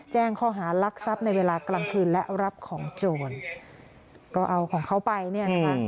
แจ้งข้อหารักทรัพย์ในเวลากลางคืนและรับของโจรก็เอาของเขาไปเนี่ยนะคะ